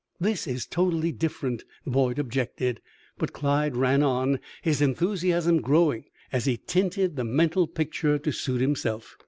"This is totally different," Boyd objected; but Clyde ran on, his enthusiasm growing as he tinted the mental picture to suit himself.